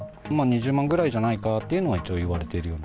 ２０万ぐらいじゃないかというのは一応言われている。